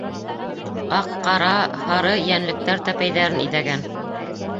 Аҡ, ҡара, һары йәнлектәр тәпәйҙәрен иҙәгән.